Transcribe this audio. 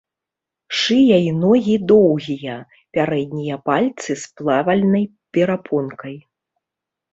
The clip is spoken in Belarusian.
Шыя і ногі доўгія, пярэднія пальцы з плавальнай перапонкай.